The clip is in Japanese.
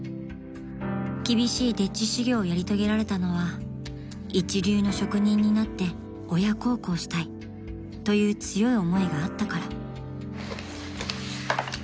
［厳しい丁稚修業をやり遂げられたのは一流の職人になって親孝行したいという強い思いがあったから］